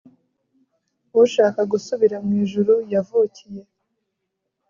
ushaka gusubira mwijuru yavukiye